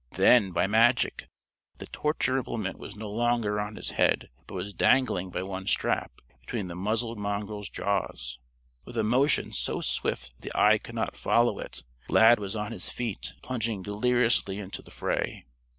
Then, by magic, the torture implement was no longer on his head but was dangling by one strap between the muzzled mongrel's jaws. With a motion so swift that the eye could not follow it, Lad was on his feet and plunging deliriously into the fray.